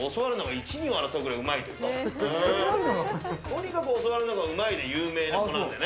とにかく教わるのがうまいで有名な子なんだよね。